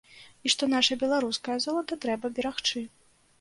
І што наша беларускае золата трэба берагчы.